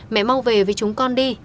mẹ mau về với chúng con đi